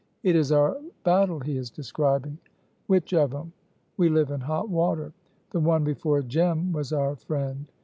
"It is our battle he is describing." "Which of 'em? we live in hot water." "The one before Jem was our friend.